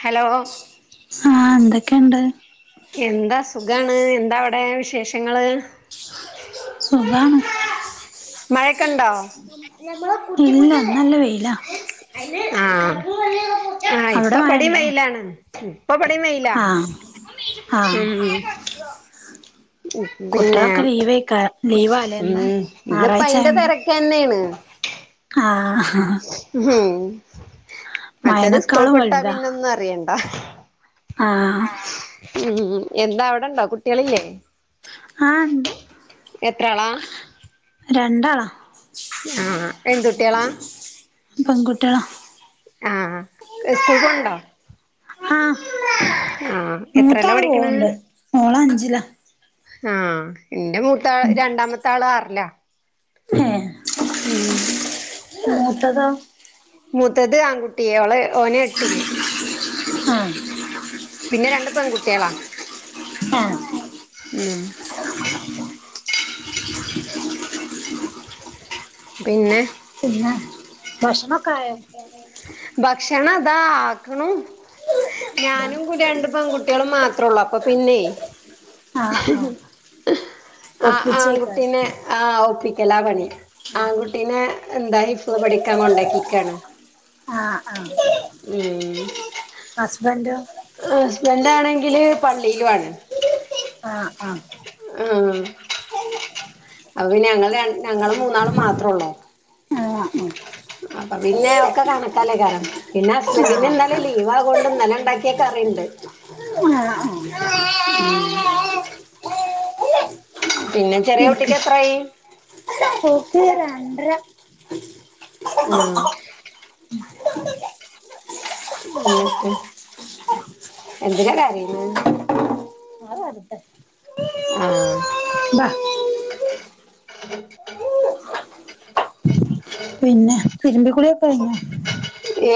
Hello അ്ഹ എന്തൊക്കെയുണ്ട് എന്താ സുഖാണ് എന്താ അവിടെ വിശേഷങ്ങള് സുഖാണ് മഴയക്കെണ്ടോ അ്ഹ ഇല്ല ഇന്ന് നല്ല വെയിലാ അ്ഹ ഇപ്പൊ അവിടെ ഇവിടെയും മഴണ്ടോ വെയിലാണ് ഇപ്പൊ ഇവിടെയും വെയിലാ ആഹ് ആഹ് ഉം പിന്നെ കുട്ടികളൊക്കെ ലീവേക്കാ ലീവാല്ലേ ഉം ഇന്ന് ഇന്നപ്പം ഞായറാഴ്ച അയിന്റെ തിരക്ക് തന്നെയാണ് ആ ഉം മറ്റേത് സ്കൂൾ മഴനെക്കാളും വിട്ടാ വലുതാ പിന്നൊന്നും അറിയേണ്ട ആഹ് ആ മ് മ് ഉം എന്താ അവിടെണ്ടോ കുട്ടികളില്ലേ ആ ഉണ്ട് എത്രാളാ രണ്ടാളാ അ്ഹ എന്ത് കുട്ടികള പെൺകുട്ടികളാ അ ആ സ്കൂൾക്ക് പോണണ്ടോ അ്ഹ ആഹ് എത്രേലാ മൂത്താള് പോവണ്ട് മോള് അഞ്ചിലാ അ്ഹ എന്റെ മൂത്താ രണ്ടാമത്തെ ആള് ആറില്ല ഏഹ് ഉം മൂത്തതോ മൂത്തത് ആൺകുട്ടി ഓള് ഓന് എട്ടില് ആഹ്. പിന്നെ രണ്ട് പെൺകുട്ടികളാ ആഹ്. മം. പിന്നെ? പിന്നെ? ഭക്ഷണക്കെ ആയോ? ഭക്ഷണം താ ആക്ണു. ഞാനും കുടി രണ്ട് പെൺകുട്ടികളും മാത്രേ ഉള്ളൂ. അപ്പൊ പിന്നെ ആഹ് ആഹ് ആഹ് ഒപ്പിച്ചേക്കാരം ആൺകുട്ടീനെ- ആഹ് ഒപ്പിക്കലാ പണി. ആൺകുട്ടീനെ എന്താ ഹിഫ്ള് പഠിക്കാൻ കൊണ്ടാക്കിക്കാണ്. ആഹ് ആഹ്. ഇമം ഹസ്ബന്റോ? ഹസ്ബന്റ് ആണെങ്കില് പള്ളിയിലും ആണ്. ആഹ് ആഹ്. ആഹ് ആഹ് അപ്പ പിന്നെ ഞങ്ങ ഞങ്ങള് മൂന്നാളും മാത്രള്ളൂ. ആഹ് അപ്പൊ പിന്നെ. ഒക്കെ കണക്കാല്ലെകാരം. പിന്നെ ഹസ്ബൻന്റിന് ഇന്നലെ ലീവ് ആകൊണ്ട് ഇന്നലെ ഇണ്ടാക്കിയ കറിണ്ട്. ആ ആഹ്. മം പിന്നെ ചെറിയ കുട്ടിക്ക് എത്രയീ? ഓ ക്ക് രണ്ട്രാ. ആഹ്. [unintelligible] എന്ത്‌നാ കരയ്ണ് അത് വരട്ടെ ആഹ്. ബാ [inaudible] പിന്നെ തിരുമ്പിക്കുളിയൊക്കെ കയ്ഞ്ഞോ?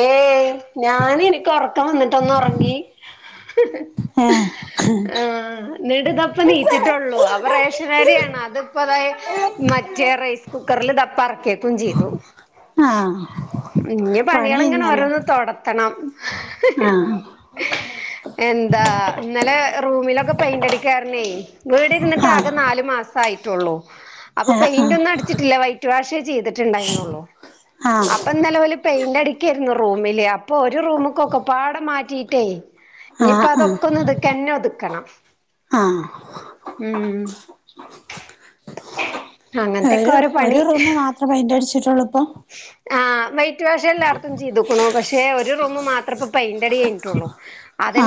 ഏയ്. ഞാന് ഇനിക്ക് ഉറക്കം വന്നിട്ടൊന്ന്ഒറങ്ങി. [inaudible] ഏഹ് [unintelligible] ന്ന്ട് ദാ ഇപ്പൊ നീച്ച്ട്ട് ഒള്ളൂ. അപ്പ റേഷൻ അരിയാണ് അത്പ്പതാ മറ്റേ റൈസ് കുക്കറിൽ ടപ്പ എറക്കിയക്കും ചെയ്തു. ആഹ്. പണി പണിയെള്ങ്ങനെ കഴിഞ്ഞല്ലോ ഓരോന്ന് തെടത്തണം. ആഹ്. എന്താ. ഇന്നലെ റൂമിലൊക്കെ പെയിന്റ്ടിക്കാരണേ വീട് ഇരുന്നിട്ട് ആകെ ആഹ് നാല് മാസം ആയിട്ടെള്ളൂ. അപ്പൊ ഏഹ് പെയിന്റ് ആഹ് ഒന്നും അടിച്ചിട്ടില്ല. വൈറ്റ് വാഷേ ചെയ്തിട്ടുണ്ടായിന്നള്ളൂ. ആഹ് അപ്പൊ ഒ ഇന്നലെ വല് പെയിന്റ് അടിക്കെരുന്നു റൂമില്. അപ്പൊ ഒരു റൂമ്ക്കൊക്കെ പാടെ മാറ്റിയിട്ടെയ്. ഇനിയിപ്പം ആഹ് അതൊക്കെ ഒന്ന് ഇതുക്കന്നെ ഒതുക്കണം. ആഹ് ആഹ് മം ഒരു ഒരു പണി റൂംമ് മാത്രം പെയ്ന്റ് അടിച്ചിട്ട് ഒ [inaudible] ആ വൈറ്റ് വാഷ് എല്ലായിടത്തും ചെയ്തുക്കുണു. പക്ഷെ ഒരു റൂമ് മാത്രപ്പം പെയിന്റ് അടി കഴിഞ്ഞിട്ടുള്ളു.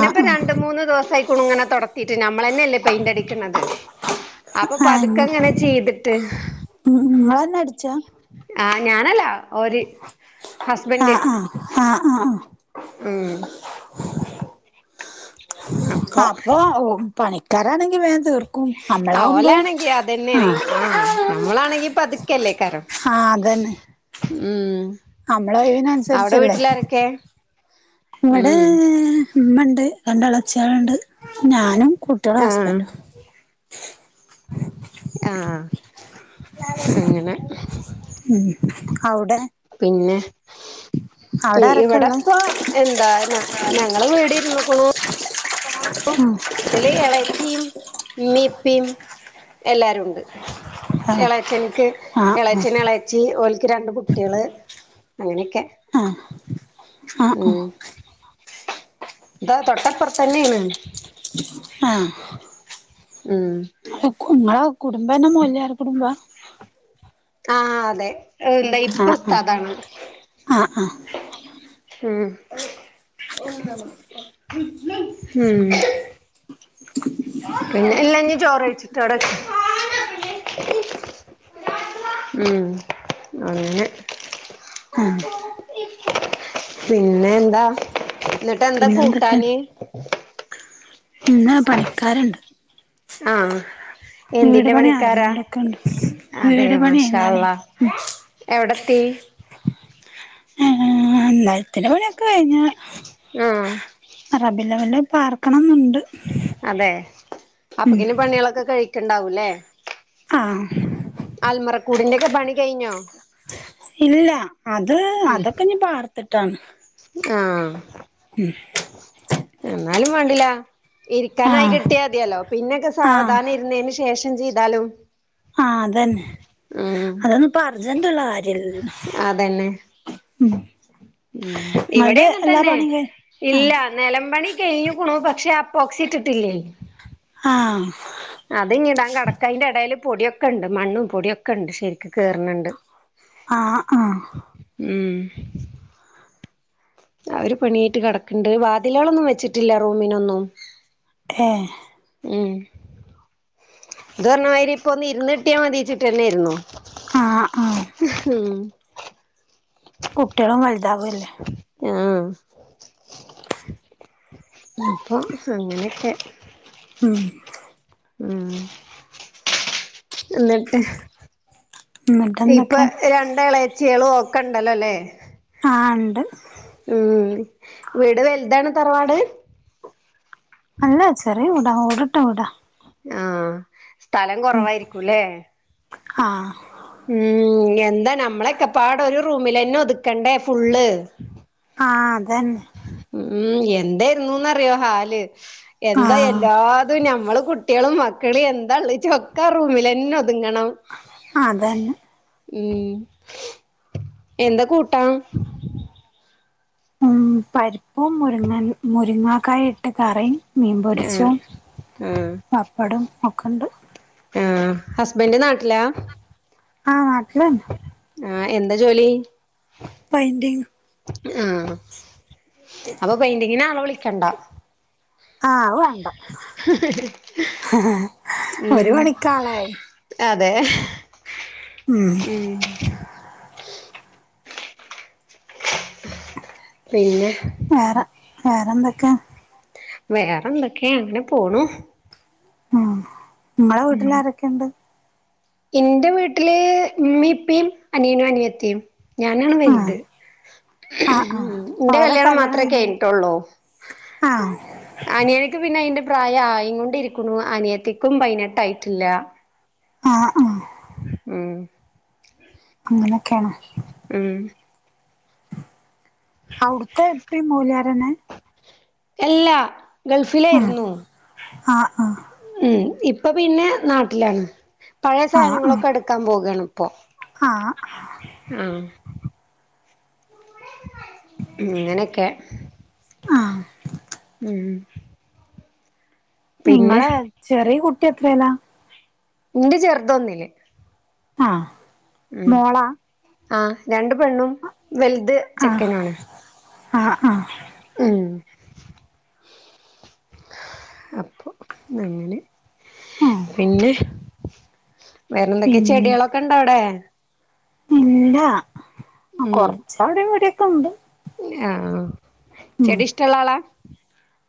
ആഹ് ആഹ് രണ്ട് മൂന്ന് ദിവസമായികുണുങ്ങനെ തുടത്തിട്ട്, ഞമ്മളെന്നെയല്ലേ പെയിന്റ് അടിക്കണത്. അപ്പൊ പതുക്കങ്ങനെ ചെയ്തിട്ട്. മംങ്ങളന്നെ അടിച്ചാ? ആ ഞാനല്ല. ഒര് ഹസ്ബൻഡന്റ്. ആഹ് ആഹ് ആഹ് ആഹ് ആഹ് മം അപ്പൊ ഓഹ് പണിക്കാരാണെങ്കിൽ വേമ് തീർക് അമ്മളാവുമ്പോ ഓലാണെങ്കി ആ അതന്നെയാണ് ആഹ് നമ്മളാണെങ്കി പതുക്കല്ലേക്കാരം ആ അതന്നെ ഉം നമ്മള അവിടെ കഴിവിനനുസരിച്ചല്ലേ. വീട്ടിലാരൊക്കെ ഇവിടെ ഉം ഇമ്മണ്ട് രണ്ട് ഇളച്ചിയളുണ്ട് ഞാനും കുട്ടിയളും ആഹ് ഹസ്ബൻറും. ആ അങ്ങനെ അവ്ടെ പിന്നെ അവിടെ [unintelligible] ആരൊക്കെള്ളെ ഇവിടപ്പോഎന്താ ഞങ്ങ ഞങ്ങളവീട് ഇര്ന്നക്ണു. [inaudible] ട്ടില് ഇളച്ചിയും മീപ്പിയും എല്ലാരുണ്ട്. ആഹ് എളച്ചൻക്ക് ആഹ് എളച്ചന് ഇള ച്ചി ഓല്ക്ക് രണ്ട് കുട്ടിയള് അങ്ങനെക്കെ. അ ഉം താ തൊട്ടപ്പുറത്തന്നെയാണ് ആ ഉം ഇങ്ങള കുടുംബന്നെ മോല്യാർ കുടുംബ ആ അതെ എന്താ ഇപ്പ ആഹ് ആഹ് ഉസ്താതാണ് ആഹ് ആഹ് ഉം പിന്നെ എല്ലാഞ്ഞ ചോറ്ഴിച്ചിട്ടോടൊക്കെ ഉം അങ്ങനെ ആഹ് പിന്നെന്താ എന്നിട്ട്ന്താ പിന്നെന്തൊക്കെ കൂട്ടാന് ഇന്ന പണിക്കാര്ണ്ട് ആ വീട് പണി നടന്നോണ്ട്ക്കണ്ട് അതെ വീട് പണി മാഷാ അള്ളാ നടന്നോ എവിടെത്തി [unintelligible] പണിക്കെ കഴിഞ് ആ റബ്ബിയ്ൽ അവ്വൽന് പാർക്കണംന്നുണ്ട് അതെ അപ്പക്കിന് പണികളൊക്കെ കഴിക്കണ്ടാവൂല്ലേ ആ ആൽമറക്കൂടിന്റെ ഒക്കെ പണി കഴിഞ്ഞോ ഇല്ല അത് അതൊക്കെ ഞ്ഞീ പാർത്തിട്ടാണ് ആ ഉം ന്നാലും വേണ്ടില്ല ഇരിക്കാനായി ആഹ് കിട്ടിയാ തിയല്ലോ പിന്നൊക്കെ ആഹ് സാവധാനം ഇരുന്നതിന് ശേഷം ചെയ്താലും ആ അതന്നെ ഉം അതന്ന ഇപ്പ അർജന്റ്ള്ള കാര്യല്ലല്ലോ ഉം ഉ ഇവിടെ അങ്ങെൻന്നെ പണിയും കഴി ഇല്ല ആഹ് നെലമ്പണി കഴഞ്കുണു പക്ഷെ അപ്പോക്സിട്ട്ട്ടില്ലേ ആ അത് ഇഞ് ഇടാൻ കിടക്കാണ് അയിന്റെ എടെൽ പൊടിയൊക്കെ ഇണ്ട് മണ്ണും പൊടിയൊക്കെ ഇണ്ട് ശെരിക്ക് കേറുന്നുണ്ട് ആ ആ ഉം അവർ പണിയായിട്ട് കെടക്ക്ണ്ട് വാതിലളൊന്നും വെച്ചിട്ടില്ല റൂമിനൊന്നും ഏ ഉം ഇത് പറഞ്ഞമാതിരി ഇപ്പൊ ഒന്ന് ഇരുന്നിട്ടിയാ മതിച്ചിട്ട് തന്നൊയിരുന്നു ആ ആ ഉം കുട്ടികളും വലുതാവല്ലേ ആഹ അപ്പൊ അങ്ങനെയൊക്കെ ഉം ഉം എന്നിട്ട് ഇപ്പൊ എന്നിട്ടെന്തൊക്കെ രണ്ട ഇളേച്ചികള ഓക്കണ്ടല്ലോല്ലേ ആ ഉണ്ട് ഉം ഇവിടെ വലുതാണ് തറവാട് അല്ല ചെറിയ വിടാ ഓട്ട്ട്ട വിടാ ആഹ സ്ഥലം കുറവായിരിക്കുംല്ലേ ആഹ് ഉം എന്താ നമ്മളൊക്കെപ്പാട ഒരു റൂമിൽ തന്നെ ഒതുക്കണ്ടേ ഫുള്ള് ആഹ അതന്നെ ഉം എന്തായിരുന്നുന്ന്റിയോ ഹാല് എന്താ ആഹ് എല്ലാതും ഞമ്മള് കു കുട്ടികളും മക്കളും എന്താ ഉള്ള ഒക്കെ റൂമിൽന്നെ ഒതുങ്ങണം ആ അതന്നെ ഉം എന്താ കൂട്ടാ ഉ പരിപ്പും മുരിങ്ങൻ മുരിങ്ങാക്കായി ഇട്ട് കറിയും മീൻ ആഹ് പൊരിച്ചതും ആഹ് പപ്പടും ഒക്കെ ഉണ്ട് ആ ഹസ്ബന്ഡന്റെ നാട്ടിലാ ആഹ് നാട്ടിലാ ആഹ എന്താ ജോലി പൈന്റിംഗ് ആഹ് അപ്പൊ പെയിന്റിങ്ങിന ആള വിളിക്കണ്ട ആ വേണ്ട ഹിഹ് ഹ് ഒരു ഉം മ പ ണിക്കാളായി അതെ ഉം ഹ് പിന്നെ വേറെ വേറെന്തൊക്കെയാ വേറെ എന്തൊക്കെയ അങ്ങനെ പോണു ഉ ഇങ്ങളെ വീട്ടിൽ ആരൊക്കെയുണ്ട് എന്റെ വീട്ടില് ഉമ്മി ഇപ്പയും അനിയനും അനിയത്തയും ഞാനാണ് ആഹ് വലത് ആഹ് ആഹ് എന്റെ ഓരെ കല്യാണം മാത്രമേ ക കഴിഞ്ഞോ കഴഞ്ഞിട്ടുള്ളൂ ആഹ് അനിയനക്ക് പിന്നെ അയിന്റെ പ്രായം ആയ കൊണ്ട ഇരിക്കുന്നു അനിയത്തിക്കും പതിനെട്ടായിട്ടില്ല ആഹ് ആഹ് ഉം അങ്ങനെയൊക്കെയാണ് ഉം അവിടുത്തെ എപ്പ മോല്യാരന്നെ എല്ലാ ഗൾഫിലേയ്രുന്നു ആഹ ആഹ് ഉം ഇപ്പൊ പിന്നെ നാട്ടിലാണ് പഴയ ആഹ് സാധനങ്ങളൊക്കെ ആഹ് എടുക്കാൻ പോവയാണ് ഇപ്പൊ ആഹ് ആഹ് ഇങ്ങനെയൊക്കെ ആഹ് ഉം പിന്നെ നിങ്ങള് ചെറിയ കുട്ടി എത്രല്ലാ ഇന്റെ ചെറുതോന്നില് ആഹ് ഉം മോളാ ആ രണ്ട് പെണ്ണും വലുത് ആഹ് ചെക്കനുമാണ് ആഹ് ആഹ് ഉം അപ്പൊ അങ്ങനെ ആഹ് പിന്നെ വേറെന്തൊക്കെ പിൻ ചെടികളൊക്കെ ഇണ്ടോ അവിടെ? ഇല്ല ആ ഉം കൊറച്ച അവിടെയും ഇവിടൊ ക്കെണ്ട് ആഹ് ഉം ചെടി ഇഷ്ടള്ള ആളാ?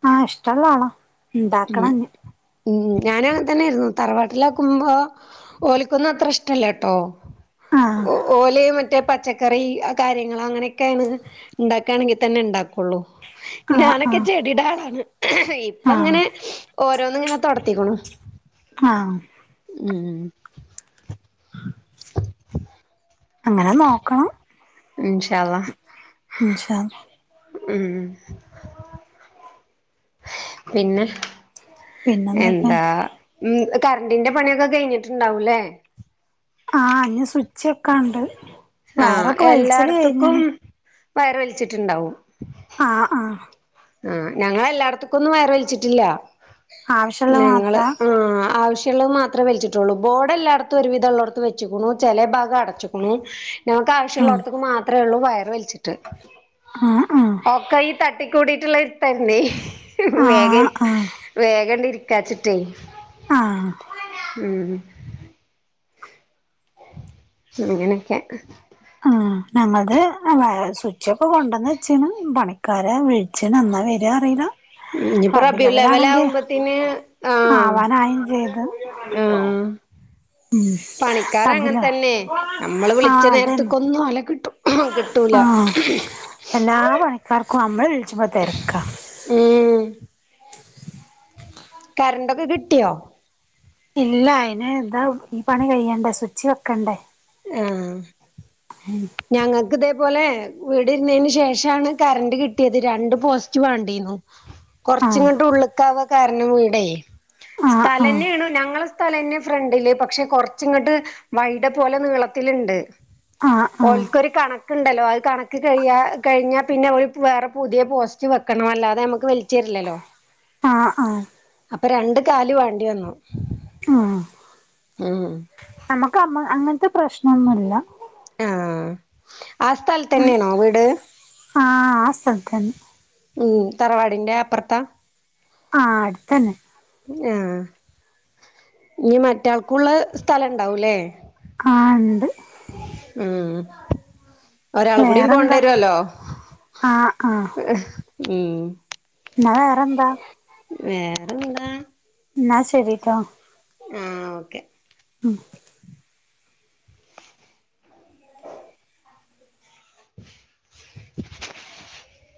ആഹ് ഇഷ്ടള്ള ആളാ ഉം ഇണ്ടാക്കണം ഇഞ്ഞ് ഉം ഞാന അങ്ങനെ തന്നൊയിരുന്നു തറവാട്ടില ആക്കുമ്പോ ഓലിക്കൊന്ന അത്ര ഇഷ്ടല്ലേ ട്ടോ. ആഹ് ഓല് മറ്റേ പച്ചക് ക്കറി ആ കാര്യങ്ങൾ അങ്ങനെയൊക്കെയാണ് ഉണ്ടാക്കുയാണെങ്കിൽ തന്നെ ഉണ്ടാക്കുള്ളൂ. ആഹ് ഞാനൊക്കെ ആഹ് ചെടിടെ ആളാണ് ഇപ്പ ആഹ് ങ്ങനെ ഓരോന്ന് ങ്ങനെ തൊടത്തിക്കുണു. ആഹ് ഉം അങ്ങനെ നോക്കണം ഇൻഷാ അല്ലാഹ് ഇൻഷാ അല്ലാഹ് ഉം ഉം പിന്നെ പിന്നെന്തൊക്കെ എന്താ ഉം കറണ്ടിന്റെ പണിയൊക്കെ കഴിഞ്ഞിട്ടുണ്ടാവൂല്ലേ? ആഹ് ഞ്ഞി സ്വിച്ച് ക്കാണ്ട്. ആഹ എല്ലാടത്തക്കും വയറ് വലിച്ചിട്ടുണ്ടാവും. ആഹ് ആഹ് ആ ഞങ്ങ എല്ലായിടത്തക്കൊന്നും വയറ് വലിച്ചിട്ടില്ല. ആവശ്യള്ള മാത്ര ഞങ്ങള് ആ ആവശ്യുള്ളത് മാത് ത്ര വെിച്ചിട്ടുള്ളൂ ബോഡ് എല്ലായിടത്തും ഒരു വിധം ഉള്ളടത്ത് വെച്ചക്കുണു ചില ഭാഗം അടച്ചു. ക്ക്ണു ഞങ്ങക്ക് ആവശ്യമുള്ള ഉം ഇടത്തേക്ക് മാത്രള്ളൂ വയറ് വലിച്ചിട്ട്. ആഹ് ആഹ് ഒക്ക ഈ തട്ടിക്കൂടിട്ടുള്ള ഇടുത്തന്നെ ആഹ് വേഗം ആഹ് വേഗണ്ടിരിക്കാച്ചിട്ടേയ്. ആഹ് ഉം അങ്ങനൊക്കെ ആ ഞങ്ങൾത് അ വ സുച്ചൊക്കെ കൊണ്ടന്ന് വെച്ചീണ് പണിക്കാരെ വിൾ ച്ഛൻ നന്നാ വര അറിയില്ല ഇനിയിപ്പോ റബിഉൽ അവ്വൽ അബിലവലാണെങ്കി ആവുമ്പത്തിന് ആഹ് ആവാനായും ചെയ്തു. ആഹ് ഉം പണിക്കാര് അബ് അങ്ങനെ ല തന്നെ നമ്മള് വിളിച്ച ആഹ് അതന്നെ. നേരത്ത്ക്കൊന്നും ഓലെ കിട്ടു കിട്ടൂല ആഹ് എല്ലാ പണിക്കാർക്കും അമ്മള് വിൾച്ചുമ്പോ തെര്ക്ക. ഉം കറൻ്റൊക്കെ കിട്ടിയോ? ഇല്ല അയിന് താ ഈ പണി കഴിയണ്ടേ സ്വിച്ച് വെക്കണ്ടേ. ആഹ് ഉം ഞങ്ങക്ക് ഇതേപോലെ വീട് ഇരുന്നതിന് ശേഷാണ് കരന്റ് കിട്ടിയത് രണ്ട് പോസ്റ്റ് വാണ്ടീന്നു. ആഹ് കൊറച്ചങ്ങോട്ട് ഉള്ളക്കവാ കാരണം ഇവിടെ ആഹ് ആഹ് സ്ഥലന്നെയാണ്. ഞങ്ങള സ്ഥലന്നെ ഫ്രണ്ടില് പക്ഷെ കൊറച്ച ഇങ്ങോട്ട് വൈട പോലെ നീളത്തിലുണ്ട്. ആഹ് ആഹ് ഓൽക്കൊരു കണ ണ്ടല്ലോ അത് കണക്ക് കഴിയാ കഴിഞ്ഞാൽ പിന്നെ വേറെ പുതിയ പോസ്റ്റ് വെക്കണം അല്ലാതെ നമുക്ക് വൽ ച്ചരില്ലല്ലോ ആഹ് ആഹ് അപ്പൊ രണ്ട് കാല് വാണ്ടി വന്നു. ആഹ് ഉം. അമ്മക്ക് അമ്മ അങ്ങൻത്തെ പ്രശ്നന്നുല്ല. ആഹ് ആ സ്ഥലത്തന്നെണോ വീട്? ആ. ആ സ്തൽത്തന്നെ. ഉം. തറവാടിൻ്റെ അപ്പറത്ത? ആ അടുത്തന്നെ. ആഹ. ഇനി മറ്റാൾക്കുള്ള സ്ഥലൻണ്ടാവൂല്ലേ? ആ. ണ്ട്. ഉം. ഒരാളും കൂടി വേറെന്താ കൊണ്ടരുല്ലോ. ആഹ് [unintelligible] ഉം. ന്നാ വേറെന്താ? വേറെന്താ. ന്നാ ശരിട്ടോ. ഉം. ഓക്കെ. [unintelligible] [unintelligible]